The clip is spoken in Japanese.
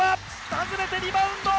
外れてリバウンド。